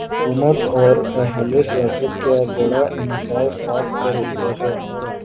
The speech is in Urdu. حکومت اوراہل سیاست کا بڑا انحصار ساکھ پر ہوتا ہے۔